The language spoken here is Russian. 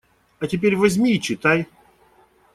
А теперь возьми и читай.